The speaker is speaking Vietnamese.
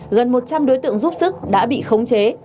gần một trăm linh đối tượng giúp sức đã bị khống chế